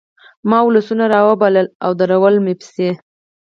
ما ولسونه رابلل او درول مې پسې